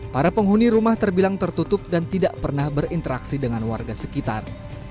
para penghuni rumah terbilang tertutup dan tidak pernah berinteraksi dengan warga sekitar